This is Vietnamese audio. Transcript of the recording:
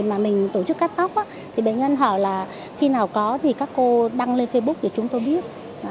mà mình tổ chức cắt tóc thì bệnh nhân hỏi là khi nào có thì các cô đăng lên facebook để chúng tôi biết